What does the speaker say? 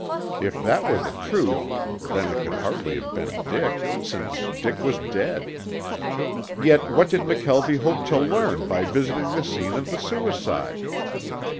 If that were the truth then it could hardly have been Dick, since Dick was dead. Yet what did McKelvie hope to learn by visiting the scene of the suicide?